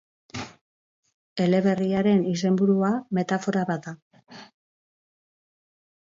Eleberriaren izenburua metafora bat da.